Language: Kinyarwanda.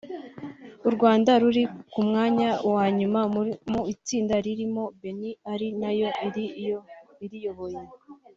u Rwanda ruri ku mwanya wa nyuma mu itsinda ririmo Benin ari nayo iriyoboye